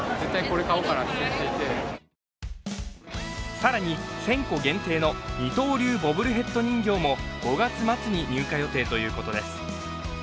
更に、１０００個限定の二刀流ボブルヘッド人形も５月末に入荷予定ということです。